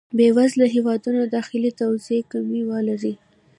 بې وزله هېوادونه داخلي توزېع کمی ولري.